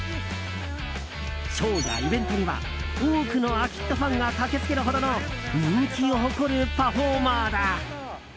ショーやイベントには多くのアキットファンが駆けつけるほどの人気を誇るパフォーマーだ。